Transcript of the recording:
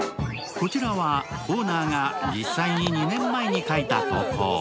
こちらはオーナーが実際に２年前に書いた投稿。